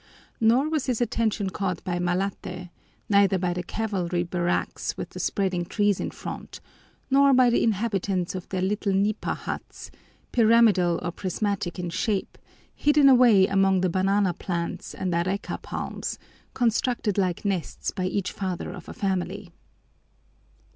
Nor was his attention caught by Malate, neither by the cavalry barracks with the spreading trees in front, nor by the inhabitants or their little nipa huts, pyramidal or prismatic in shape, hidden away among the banana plants and areca palms, constructed like nests by each father of a family.